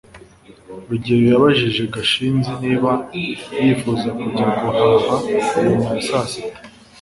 rugeyo yabajije gashinzi niba yifuza kujya guhaha nyuma ya saa sita